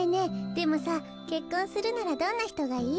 でもさけっこんするならどんなひとがいい？